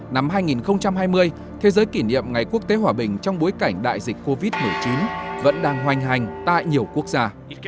năm hai nghìn hai mươi thế giới kỷ niệm ngày quốc tế hòa bình trong bối cảnh đại dịch covid một mươi chín vẫn đang hoành hành tại nhiều quốc gia